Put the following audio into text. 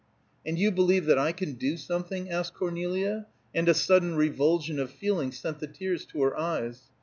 "And you believe that I can do something?" asked Cornelia, and a sudden revulsion of feeling sent the tears to her eyes.